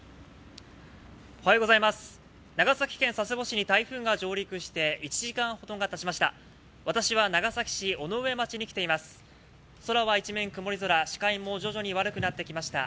長崎県佐世保市に台風が上陸して１時間ほどがたちました。